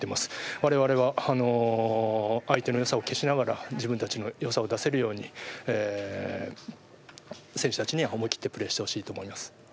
われわれは相手の良さを消しながら自分たちの良さを出せるように選手たちには思い切ってプレーしてほしいと思います。